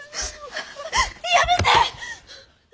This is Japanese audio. やめて！